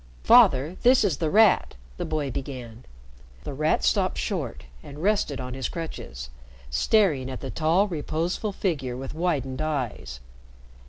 "Father, this is The Rat," the boy began. The Rat stopped short and rested on his crutches, staring at the tall, reposeful figure with widened eyes.